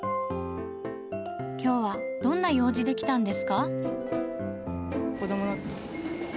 きょうはどんな用事で来たんですか？